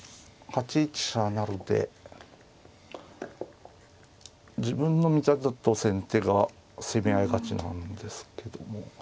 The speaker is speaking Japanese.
８一飛車成で自分の見立てだと先手が攻め合い勝ちなんですけども。